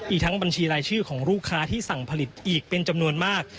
อีกทั้งบัญชีรายชื่อของลูกค้าที่สั่งผลิตอีกเป็นจำนวนมาก